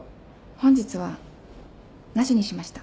本日はなしにしました。